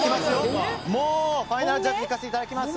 もうファイナルジャッジいかせていただきます。